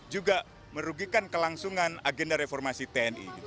juga merugikan kelangsungan agenda reformasi tni